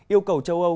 yêu cầu châu âu